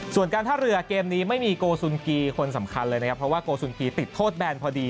ส่วนการท่าเรือเกมนี้ไม่มีโกสุนกีคนสำคัญเลยนะครับเพราะว่าโกสุนกีติดโทษแบนพอดี